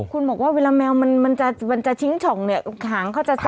คุณบอกว่าเวลาแมวมันจะชิงช่องเนี่ยหางเขาจะใช้